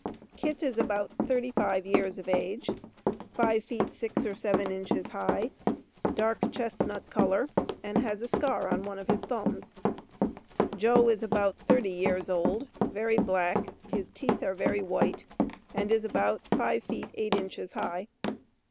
KIT is about 35 years of age, five feet six or seven inches high, dark chestnut color, and has a scar on one of his thumbs. JOE is about 30 years old, very black, his teeth are very white, and is about five feet eight inches high.